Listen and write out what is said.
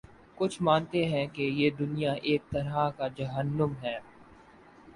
کچھ مانتے ہیں کہ یہ دنیا ایک طرح کا جہنم ہے۔